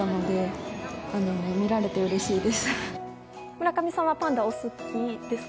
村上さんはパンダお好きですか？